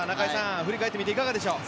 振り返ってみていかがでしょう？